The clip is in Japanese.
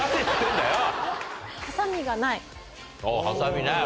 「ハサミない」